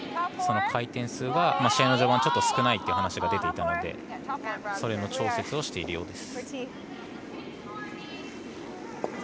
その回転数が、試合の序盤ちょっと少ないという話が出ていたのでその調節をしているようです。